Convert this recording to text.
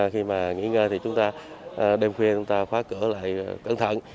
khi mà nghỉ ngơi thì chúng ta đêm khuya chúng ta khóa cửa lại cẩn thận